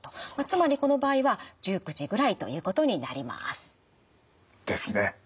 つまりこの場合は１９時ぐらいということになります。ですね。